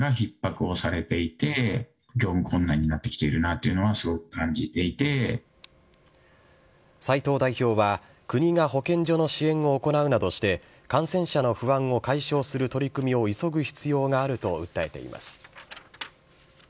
齊藤代表は、国が保健所の支援を行うなどして、感染者の不安を解消する取り組みを急ぐ必要があると訴えています。